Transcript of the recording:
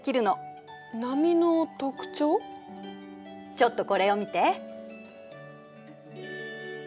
ちょっとこれを見て。